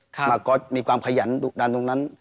มาก็มีความขยันดันตรงนั้น